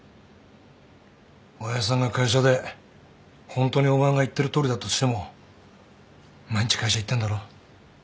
親父さんが会社でホントにお前が言ってるとおりだとしても毎日会社行ってんだろ。